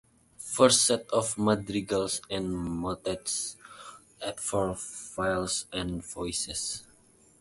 'First Set of Madrigals and Mottets, apt for Viols and Voyces'.